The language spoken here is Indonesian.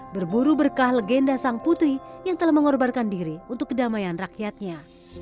berburu berkah legenda sang putri yang telah mengorbankan diri untuk kedamaian rakyatnya